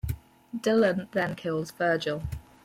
Dylan then kills Virgil.